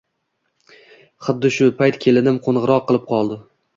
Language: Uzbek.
Xuddi shu payt kelinim qo`ng`iroq qilib qoldi